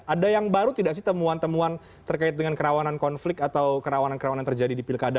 ada yang baru tidak sih temuan temuan terkait dengan kerawanan konflik atau kerawanan kerawanan terjadi di pilkada